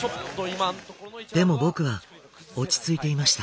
でも僕は落ち着いていました。